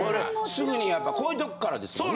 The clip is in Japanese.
すぐにやっぱこういうとこからですよね。